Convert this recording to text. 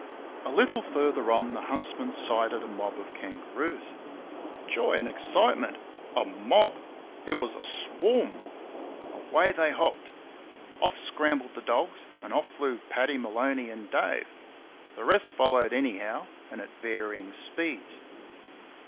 A little further on the huntsmen sighted a mob of kangaroos. Joy and excitement. A mob? It was a swarm! Away they hopped. Off scrambled the dogs, and off flew Paddy Maloney and Dave the rest followed anyhow, and at varying speeds.